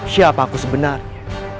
siapa aku sebenarnya